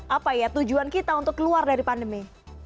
apa ya tujuan kita untuk keluar dari pandemi